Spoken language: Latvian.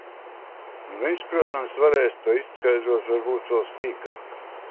Un viņš, protams, varēs to izskaidrot varbūt vēl sīkāk.